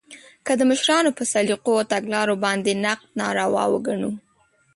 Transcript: که د مشرانو په سلیقو او تګلارو باندې نقد ناروا وګڼو